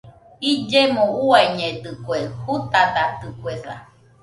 Illemo uiañedɨkue, jutadatɨkuesa.